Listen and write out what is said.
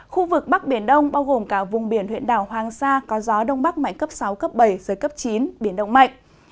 khu vực bắc biển đông bao gồm cả vùng biển huyện đảo hoàng sa có gió đông bắc mạnh cấp sáu bảy chín biển động mạnh